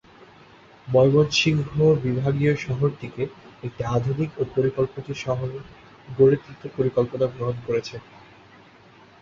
ময়মনসিংহ বিভাগীয় শহরটিকে একটি আধুনিক ও পরিকল্পিত শহর গড়ে তুলতে পরিকল্পনা গ্রহণ করেছে।